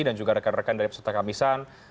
dan juga rekan rekan dari peserta kamisan